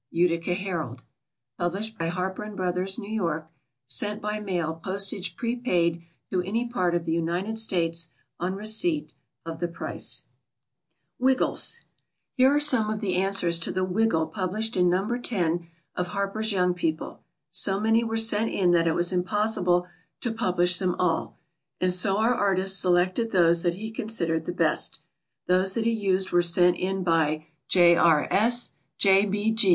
Utica Herald. Published by HARPER & BROTHERS, N. Y. Sent by mail, postage prepaid, to any part of the United States, on receipt of the price. WIGGLES. Here are some of the answers to the Wiggle published in No. 10 of HARPER'S YOUNG PEOPLE. So many were sent in that it was impossible to publish them all, and so our artist selected those that he considered the best. Those that he used were sent in by J. R. S., J.